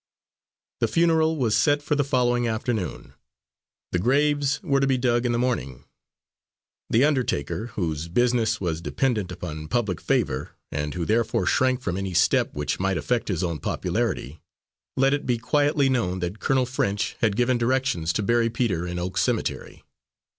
The funeral was set for the following afternoon. The graves were to be dug in the morning. The undertaker, whose business was dependent upon public favour, and who therefore shrank from any step which might affect his own popularity, let it be quietly known that Colonel French had given directions to bury Peter in Oak Cemetery.